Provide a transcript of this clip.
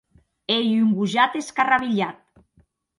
Ei un gojat escarrabilhat.